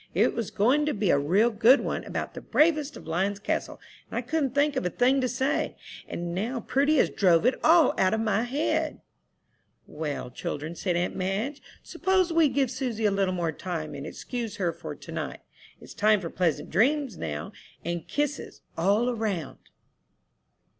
It was going to be a real good one, about 'The Bravest of Lion's Castle,' and I couldn't think of a thing to say, and now Prudy has drove it all out of my head." "Well, children," said aunt Madge, "suppose we give Susy a little more time, and excuse her for to night? It's time for pleasant dreams now, and kisses all 'round."